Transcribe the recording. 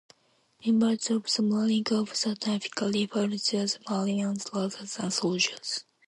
Members of the Marine Corps are typically referred to as "marines" rather than "soldiers".